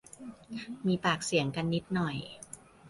มีปากเสียงกันนิดหน่อย